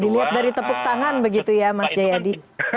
dilihat dari tepuk tangan begitu ya mas jayadi